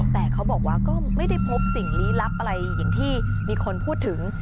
แต่เขาบอกว่าก็ไม่ได้พบสิ่งลี้ลับอะไรอย่างที่มีคนพูดถึง